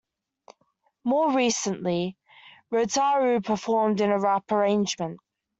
More recently Rotaru performed in a rap arrangement.